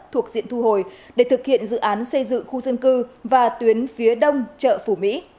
thuộc diện thu hồi để thực hiện dự án xây dựng khu dân cư và tuyến phía đông chợ phủ mỹ